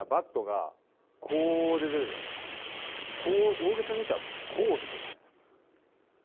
大げさに言ったらこうですよ。